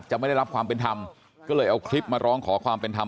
ไม่ได้รับความเป็นธรรมก็เลยเอาคลิปมาร้องขอความเป็นธรรม